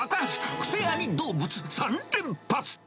クセあり動物３連発！